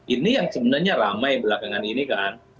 ini yang sebenarnya ramai belakangan ini kan